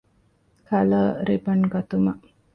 ކަލަރ ރިބަން ގަތުމަށް